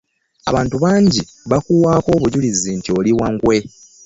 Abantu bangi bakuwaako obujulizi nti oli wa nkwe.